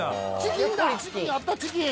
チキンあったチキン。